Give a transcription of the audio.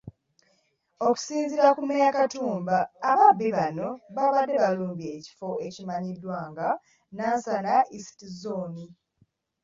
Okusinziira ku Major Katamba, ababbi bano baabadde balumbye ekifo ekimanyiddwa nga Nansana East zzooni.